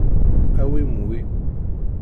Awim wi.